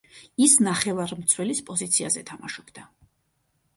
ის ნახევარმცველის პოზიციაზე თამაშობდა.